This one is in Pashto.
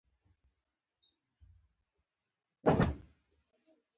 چې محسن د لا حيرانتيا خبره وکړه.